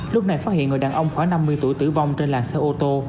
lúc này phát hiện người đàn ông khoảng năm mươi tuổi tử vong trên làng xe ô tô